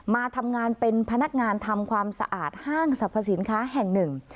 มาทำงานเป็นพนักงานทำความสะอาดห้างสรรพสินค้าแห่งหนึ่ง